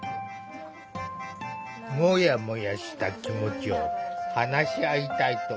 モヤモヤした気持ちを話し合いたいと思ったのだ。